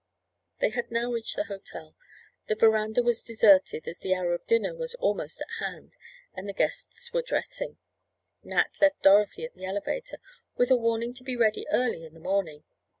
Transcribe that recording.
They had now reached the hotel. The veranda was deserted as the hour for dinner was almost at hand and the guests were dressing. Nat left Dorothy at the elevator, with a warning to be ready early in the morning.